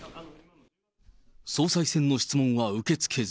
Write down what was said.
総裁選の質問は受け付けず。